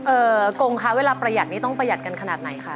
กงคะเวลาประหยัดนี้ต้องประหยัดกันขนาดไหนคะ